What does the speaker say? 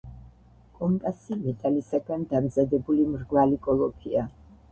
კომპასი მეტალისაგან დამზადებული მრგვალი კოლოფია.